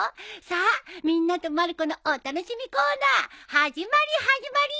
さあみんなとまる子のお楽しみコーナー始まり始まり！